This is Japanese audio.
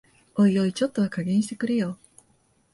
おいおい、ちょっとは加減してくれよ